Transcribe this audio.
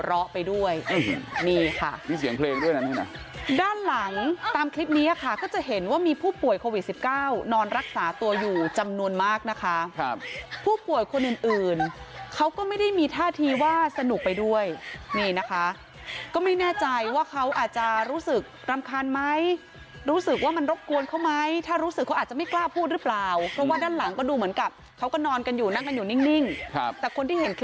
ร้อไปด้วยนี่ค่ะมีเสียงเพลงด้านหลังตามคลิปนี้ค่ะก็จะเห็นว่ามีผู้ป่วยโควิดสิบเก้านอนรักษาตัวอยู่จำนวนมากนะคะผู้ป่วยคนอื่นอื่นเขาก็ไม่ได้มีท่าทีว่าสนุกไปด้วยนี่นะคะก็ไม่แน่ใจว่าเขาอาจจะรู้สึกรำคาญไหมรู้สึกว่ามันรบกวนเขาไหมถ้ารู้สึกเขาอาจจะไม่กล้าพูดหรือเปล่าเพราะว่าด้านหลังก